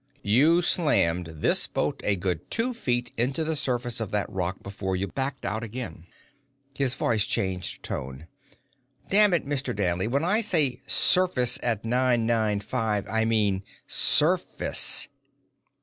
You slammed this boat a good two feet into the surface of that rock before you backed out again." His voice changed tone. "Dammit, Mr. Danley, when I say 'surface at nine nine five', I mean surface!"